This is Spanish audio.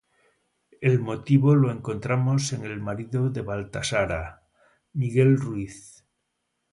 El motivo lo encontramos en el marido de Baltasara, Miguel Ruiz.